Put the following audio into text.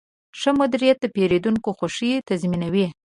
ښه مدیریت د پیرودونکو خوښي تضمینوي.